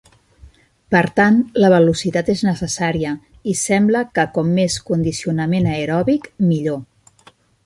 Per tant, la velocitat és necessària, i sembla que com més condicionament aeròbic, millor.